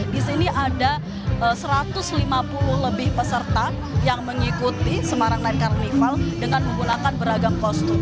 di sini ada satu ratus lima puluh lebih peserta yang mengikuti semarang sembilan carnival dengan menggunakan beragam kostum